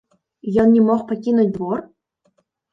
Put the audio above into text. Ён не мог пакінуць двор?